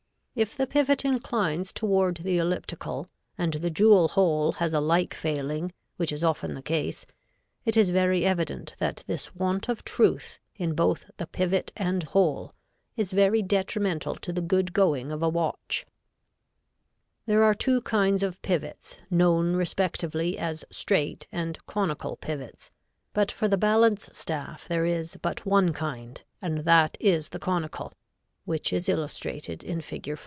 If the pivot inclines toward the elliptical and the jewel hole has a like failing, which is often the case, it is very evident that this want of truth in both the pivot and hole is very detrimental to the good going of a watch. [Illustration: Fig. 4.] [Illustration: Fig. 5.] There are two kinds of pivots, known respectively as straight and conical pivots, but for the balance staff there is but one kind and that is the conical, which is illustrated in Fig.